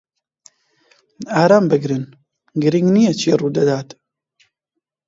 ئارام بگرن، گرنگ نییە چی ڕوودەدات.